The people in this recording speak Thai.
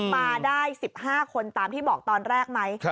มาได้๑๕คนตามที่บอกตอนแรกไหม